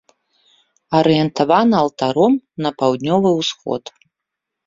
Арыентавана алтаром на паўднёвы ўсход.